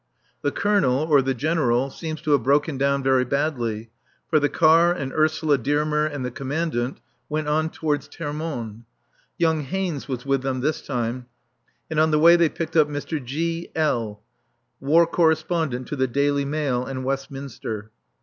The Colonel (or the General) seems to have broken down very badly, for the car and Ursula Dearmer and the Commandant went on towards Termonde. Young Haynes was with them this time, and on the way they had picked up Mr. G. L , War Correspondent to the Daily Mail and Westminster.